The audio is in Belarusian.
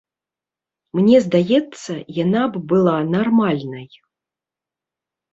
Мне здаецца, яна б была нармальнай.